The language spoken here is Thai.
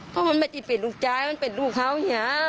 เพราะมันไม่ใช่เป็นลูกใจมันเป็นลูกเขาเนี่ย